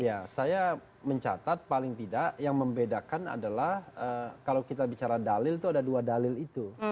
ya saya mencatat paling tidak yang membedakan adalah kalau kita bicara dalil itu ada dua dalil itu